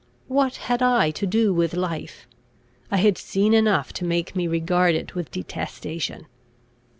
What had I to do with life? I had seen enough to make me regard it with detestation.